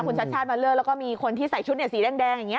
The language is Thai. คุณชัดชาติมาเลือกแล้วก็มีคนที่ใส่ชุดสีแดงอย่างนี้